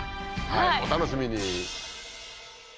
はいお楽しみに！